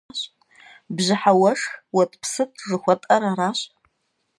Бжьыхьэ уэшх, уэтӀпсытӀ жыхуэтӀэр аращ.